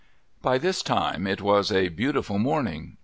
By that time it was a beautiful morning.